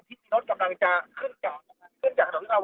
กินดอนเมืองในช่วงเวลาประมาณ๑๐นาฬิกานะครับ